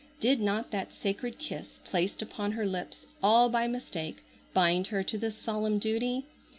Did not that sacred kiss placed upon her lips all by mistake bind her to this solemn duty?